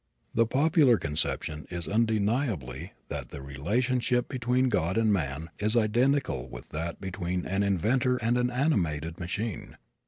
The popular conception is undeniably that the relationship between God and man is identical with that between an inventor and an animated machine.